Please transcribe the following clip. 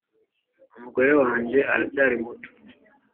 umugore wanjye aracyari muto.